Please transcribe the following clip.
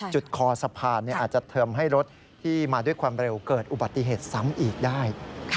คอสะพานอาจจะทำให้รถที่มาด้วยความเร็วเกิดอุบัติเหตุซ้ำอีกได้